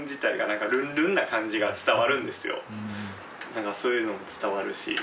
何かそういうのも伝わるし。